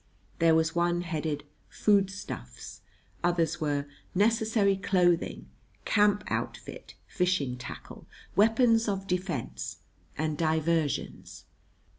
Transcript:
There was one headed Foodstuffs. Others were: Necessary Clothing: Camp Outfit; Fishing Tackle; Weapons of Defense: and Diversions.